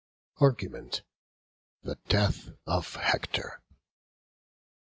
ARGUMENT. THE DEATH OF HECTOR.